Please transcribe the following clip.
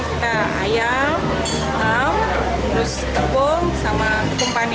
kita ayam ham terus tepung sama kumpan ya